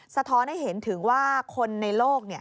สะท้อนให้เห็นถึงว่าคนในโลก